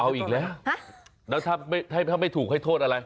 เอาอีกแล้วแล้วถ้าไม่ถูกให้โทษอะไร